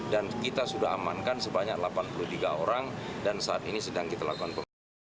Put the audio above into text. dan kita sudah amankan sebanyak delapan puluh tiga orang dan saat ini sedang kita lakukan pembangunan